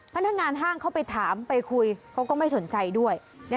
พนักงานห้างเข้าไปถามไปคุยเขาก็ไม่สนใจด้วย